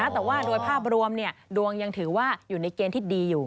แต่ว่าโดยภาพรวมดวงยังถือว่าอยู่ในเกณฑ์ที่ดีอยู่